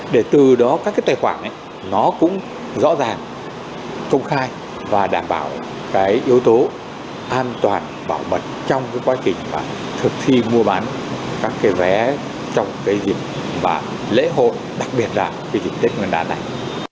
để từ đó các cái tài khoản ấy nó cũng rõ ràng công khai và đảm bảo cái yếu tố an toàn bảo mật trong cái quá trình thực thi mua bán các cái vé trong cái dịp và lễ hội đặc biệt là cái dịp tết nguyên đán này